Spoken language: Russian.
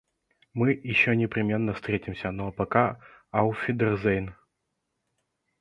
Мы ещё непременно встретимся, ну а пока, ауфидерзейн!